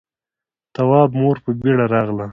تواب مور په بيړه راغله.